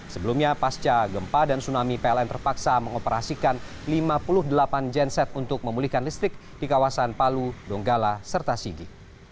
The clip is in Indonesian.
sebelumnya pasca gempa dan tsunami pln terpaksa mengoperasikan lima puluh delapan genset untuk memulihkan listrik di kawasan palu donggala serta sigi